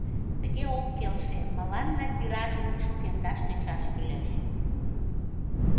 Тыге ок келше, мыланна тиражын шукемдаш тӧчаш кӱлеш.